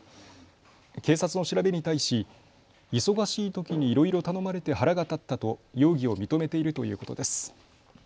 警察の調べに対し忙しいときにいろいろ頼まれて腹が立ったと容疑を認めているということです。